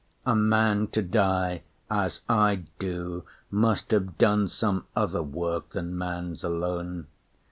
A man to die As I do must have done some other work Than man's alone.